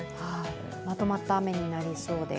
まとまった雨になりそうです。